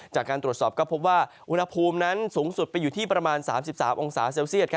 จากการตรวจสอบก็พบว่าอุณหภูมินั้นสูงสุดไปอยู่ที่ประมาณ๓๓องศาเซลเซียต